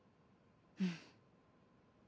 うん。